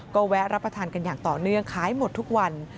ก็แวะรับประทานกันอย่างต่อเนื่องขายหมดทุกวัน